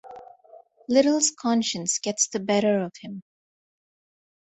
Little's conscience gets the better of him.